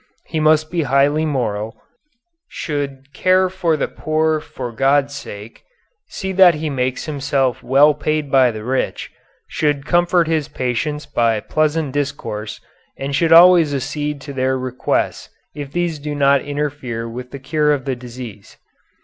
He must be highly moral, should care for the poor for God's sake, see that he makes himself well paid by the rich, should comfort his patients by pleasant discourse, and should always accede to their requests if these do not interfere with the cure of the disease."